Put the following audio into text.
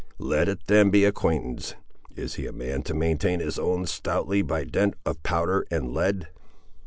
Let it then be acquaintance. Is he a man to maintain his own, stoutly by dint of powder and lead?"